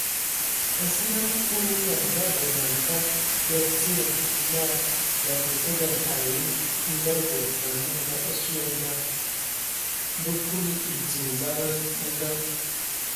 Nsili alug o nə eyɔŋ nda bod man fam ya tie na ya kə toban ai ndabod man mininga asu ye na bə kuli ediŋ dzaba a ngəŋ.